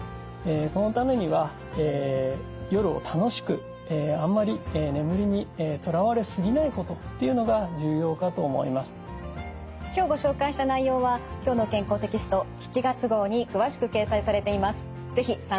このためには今日ご紹介した内容は「きょうの健康」テキスト７月号に詳しく掲載されています。